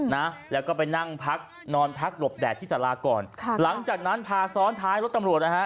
นะแล้วก็ไปนั่งพักนอนพักหลบแดดที่สาราก่อนค่ะหลังจากนั้นพาซ้อนท้ายรถตำรวจนะฮะ